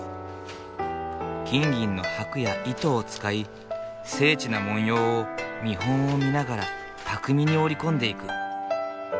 金銀の箔や糸を使い精緻な文様を見本を見ながら巧みに織り込んでいく。